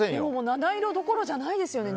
七色どころじゃないですよね。